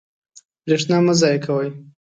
برېښنا مه ضایع کوئ.